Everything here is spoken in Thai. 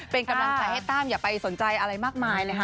เป็นกำลังใจให้ตั้มอย่าไปสนใจอะไรมากมายเลยค่ะ